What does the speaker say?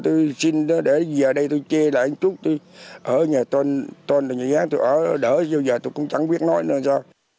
tôi xin để giờ đây tôi chê lại anh trúc tôi ở nhà tôn tôi ở đỡ giờ tôi cũng chẳng biết nói nữa sao